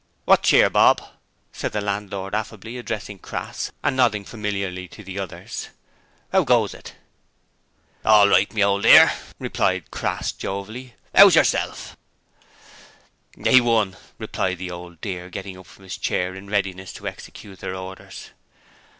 'Wot cheer, Bob?' said the landlord, affably, addressing Crass, and nodding familiarly to the others. ''Ow goes it?' 'All reet me ole dear!' replied Crass, jovially. ''Ow's yerself?' 'A.1,' replied the 'Old Dear', getting up from his chair in readiness to execute their orders.